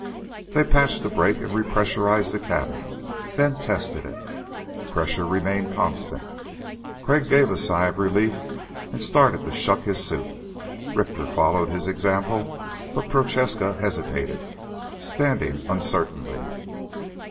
They patched the break and repressurized the cabin, then tested it. Pressure remained constant. Crag gave a sigh of relief and started to shuck his suit. Richter followed his example but Prochaska hesitated, standing uncertainly.